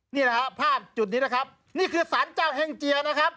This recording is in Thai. นี่นะครับภาพจุดนี้นะครับนี่คือสารเจ้าแห้งเจียนะครับ